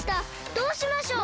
どうしましょう？